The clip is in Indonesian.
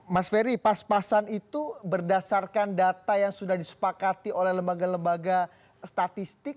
mas ferry pas pasan itu berdasarkan data yang sudah disepakati oleh lembaga lembaga statistik